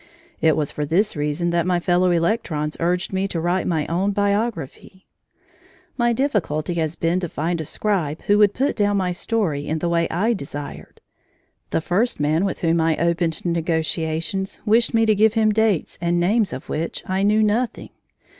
It was for this reason that my fellow electrons urged me to write my own biography. My difficulty has been to find a scribe who would put down my story in the way I desired. The first man with whom I opened negotiations wished me to give him dates and names of which I knew nothing.